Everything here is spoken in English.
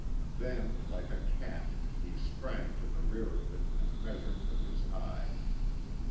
Then, like a cat, he sprang to the rear of it and measured with his eye.